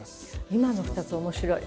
今の２つ面白い。